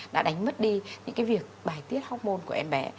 đã đánh mất đi những cái việc bài tiết hormôn của em bé